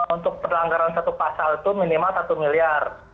untuk perlanggaran satu pasal itu minimal satu miliar